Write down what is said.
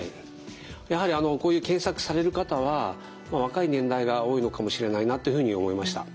やはりこういう検索される方は若い年代が多いのかもしれないなというふうに思いました。